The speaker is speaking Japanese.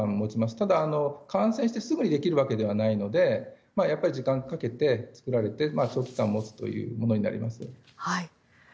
ただ、感染してすぐにできるわけではなく時間をかけて作られて長期間持つというものになります。